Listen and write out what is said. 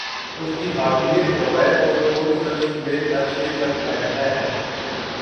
اس کی حاکمیت، روایت اور قول سلف سمیت ہر شے پر قائم ہے۔